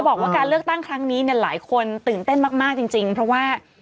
บอกว่าการเลือกตั้งครั้งนี้เนี่ยหลายคนตื่นเต้นมากจริงเพราะว่า